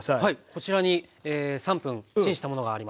こちらに３分チンしたものがあります。